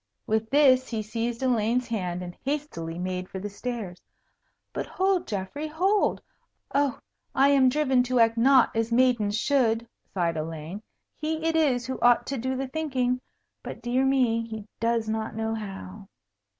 With this, he seized Elaine's hand and hastily made for the stairs. "But hold, Geoffrey, hold! Oh I am driven to act not as maidens should," sighed Elaine. "He it is who ought to do the thinking. But, dear me! he does not know how.